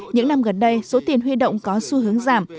những năm gần đây số tiền huy động có xu hướng giảm